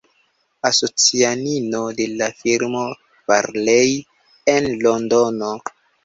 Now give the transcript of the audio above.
Asocianino de la firmo Barlei, en Londono.